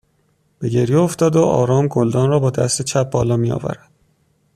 به گریه افتاده و آرام گلدان را با دست چپ بالا میآورد